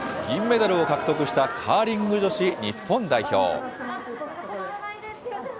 銀メダルを獲得した、カーリング女子日本代表。